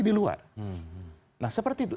di luar nah seperti itu